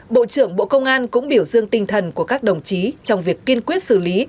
bộ trưởng bộ công an cũng biểu dương tinh thần của các đồng chí trong việc kiên quyết xử lý